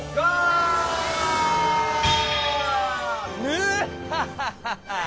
ヌハハハハ！